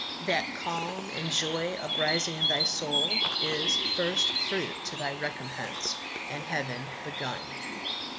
That calm and joy uprising in thy soul Is first fruit to thy recompense, And heaven begun."